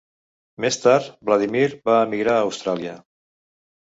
Més tard, Vladímir va emigrar a Austràlia.